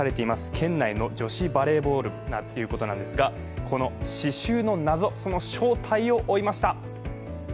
県内の女子バレーボール部ということですが、この刺しゅうの謎その正体を追いました。